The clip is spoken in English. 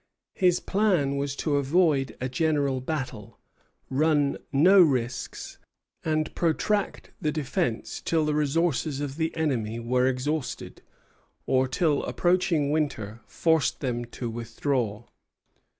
His plan was to avoid a general battle, run no risks, and protract the defence till the resources of the enemy were exhausted, or till approaching winter forced them to withdraw.